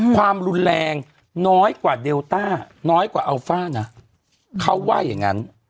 ความรุนแรงน้อยกว่าเดลต้าน้อยกว่าอัลฟ่านะเขาว่าอย่างนั้น